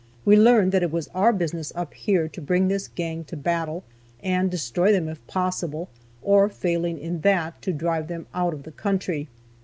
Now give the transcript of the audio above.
We learned that it was our business up here to bring this gang to battle, and destroy them if possible, or, failing in that, to drive them out of the country.